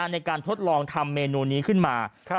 ในการทดลองทำเมนูนี้ขึ้นมา